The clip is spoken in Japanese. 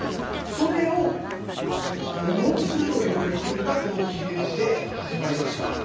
それを布にするという取り組みが、この桐生市で始まりました。